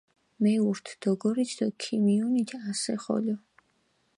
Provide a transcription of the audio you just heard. მეურთ, დოგორით დო ქიმიონით ასე ხოლო.